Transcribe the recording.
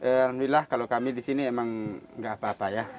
alhamdulillah kalau kami di sini emang nggak apa apa ya